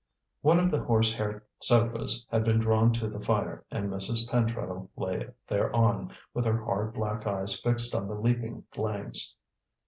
One of the horse hair sofas had been drawn to the fire, and Mrs. Pentreddle lay thereon, with her hard black eyes fixed on the leaping flames.